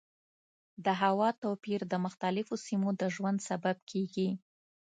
د هوا توپیر د مختلفو سیمو د ژوند سبب کېږي.